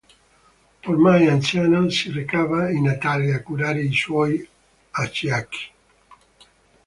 Ormai anziano, si recava in Italia a curare i suoi acciacchi.